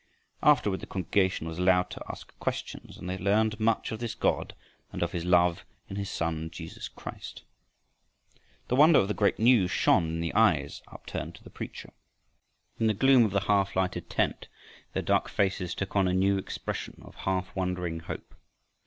Afterward the congregation was allowed to ask questions, and they learned much of this God and of his love in his Son Jesus Christ. The wonder of the great news shone in the eyes upturned to the preacher. In the gloom of the half lighted tent their dark faces took on a new expression of half wondering hope.